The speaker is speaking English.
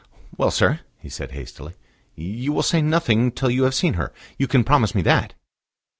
"Well, sir," he said hastily, "you will say nothing till you have seen her? You can promise me that."